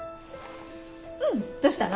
うんどうしたの？